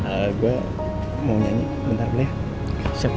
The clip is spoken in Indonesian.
agak mau nyanyi bentar ya